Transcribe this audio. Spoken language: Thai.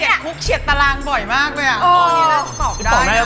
ชเอคุกเฉียดตารางบ่อยมากเลยอะ